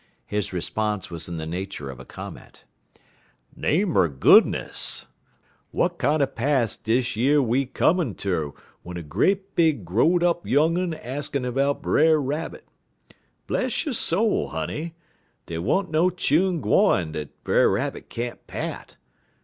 His response was in the nature of a comment: "Name er goodness! w'at kinder pass dish yer we comin' ter w'en a great big grow'd up young un axin' 'bout Brer Rabbit? Bless yo' soul, honey! dey wa'n't no chune gwine dat Brer Rabbit can't pat.